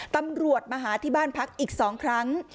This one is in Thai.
ตำรวจมาหาที่บ้านพักอีก๒ครั้ง